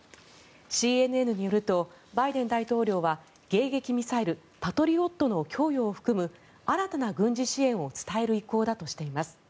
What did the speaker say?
ＣＮＮによるとバイデン大統領は迎撃ミサイル、パトリオットの供与を含む新たな軍事支援を伝える意向だとしています。